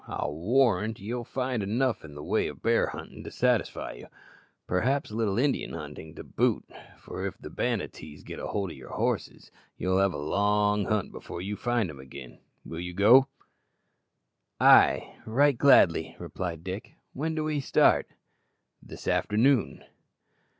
I'll warrant you'll find enough in the way of bear hunting to satisfy you; perhaps a little Indian hunting to boot, for if the Banattees get hold of your horses, you'll have a long hunt before you find them again. Will you go?" "Ay, right gladly," replied Dick. "When do we start?" "This afternoon."